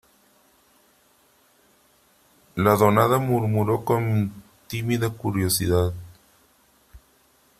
la donada murmuró con tímida curiosidad :